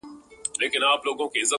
بې وسلې وو وارخطا په زړه اوتر وو -